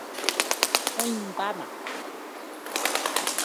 Oĩmbáma.